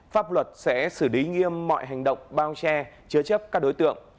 pháp luật sẽ xử lý nghiêm mọi hành động bao che chứa chấp các đối tượng